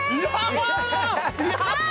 やった。